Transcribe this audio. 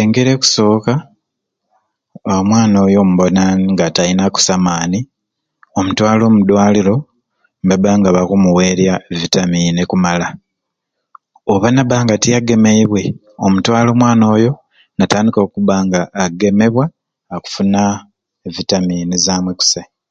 Engeri ekusooka omwana oyo obubona nga tayina kusai maani omutwala omudwaliro nibaba nga bakumuwerya e vitamin ekumala oba naba nga teyagemeibwe omutwala omwana oyo natandika okuba nga agemembwa akufuna e vitamin zamwei kusai